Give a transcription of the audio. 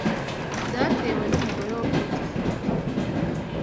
Byatewe n’umugore wa Potifari